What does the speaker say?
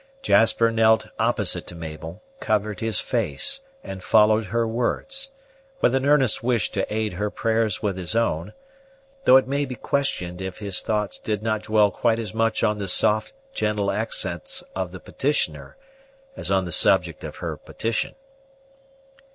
Jasper knelt opposite to Mabel, covered his face, and followed her words, with an earnest wish to aid her prayers with his own; though it may be questioned if his thoughts did not dwell quite as much on the soft, gentle accents of the petitioner as on the subject of her petition.